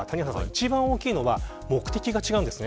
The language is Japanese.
一番大きいのは目的が違うんです。